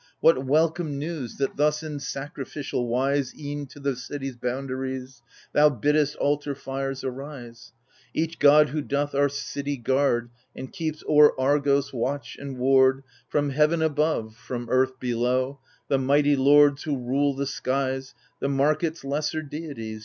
what welcome news, That thus in sacrificial wise E'en to the city's boundaries Thou biddest altar fires arise ? Each god who doth our city guard, And keeps o'er Argos watch and ward From heaven above, from earth below — The mighty lords who rule the skies, The market's lesser deities.